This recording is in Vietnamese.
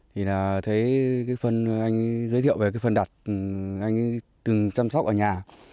thì là thấy cái phân anh giới thiệu về cái phân đặt anh từng chăm sóc ở nhà